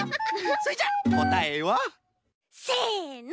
それじゃこたえは？せの。